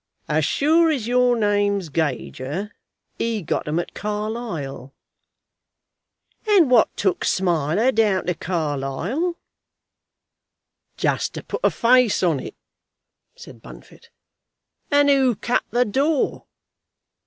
"As sure as your name's Gager, he got 'em at Carlisle." "And what took Smiler down to Carlisle?" "Just to put a face on it," said Bunfit. "And who cut the door?"